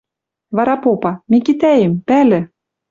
Вара попа: «Микитӓэм, пӓлӹ